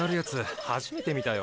初めて見たよ。